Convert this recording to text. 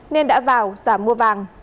nên đã vào giảm mua vàng